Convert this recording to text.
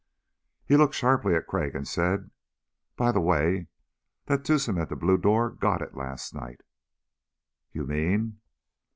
He looked sharply at Crag and said, "By the way, that twosome at the Blue Door got it last night." "You mean...?"